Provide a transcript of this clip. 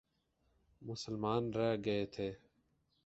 مسلمان رہ گئے تھے۔